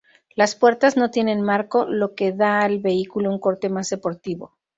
Las puertas no tienen marco, lo que da al vehículo un corte más deportivo.